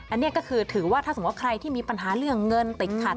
อันนี้ก็คือถือว่าถ้าสมมุติใครที่มีปัญหาเรื่องเงินติดขัด